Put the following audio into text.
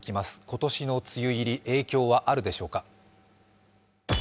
今年の梅雨入り、影響はあるでしょうか。